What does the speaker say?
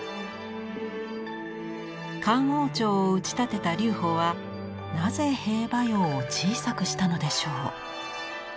漢王朝を打ち立てた劉邦はなぜ兵馬俑を小さくしたのでしょう。